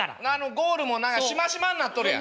ゴールもなしましまになっとるやん。